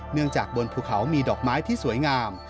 จากบนภูเขามีดอกไม้ที่สวยงาม